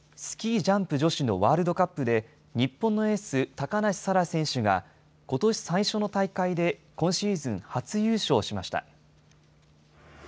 スキージャンプ女子のワールドカップで、日本のエース、高梨沙羅選手がことし最初の大会で今シーズン初優勝しました。